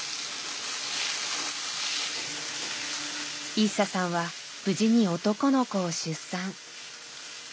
イッサさんは無事に男の子を出産。